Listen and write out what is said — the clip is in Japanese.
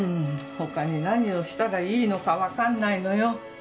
他に何をしたらいいのかわかんないのよ。